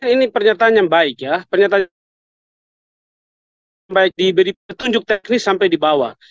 ini pernyataan yang baik ya pernyataan baik diberi petunjuk teknis sampai di bawah